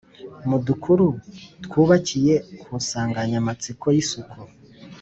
mu dukuru twubakiye ku nsanganyamatsiko y’isuku.